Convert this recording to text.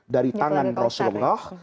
dari tangan rasulullah